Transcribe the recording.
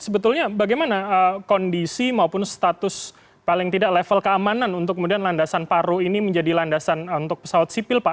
sebetulnya bagaimana kondisi maupun status paling tidak level keamanan untuk kemudian landasan paru ini menjadi landasan untuk pesawat sipil pak